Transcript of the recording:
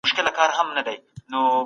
هر فرد بايد د تعليم حق ولري.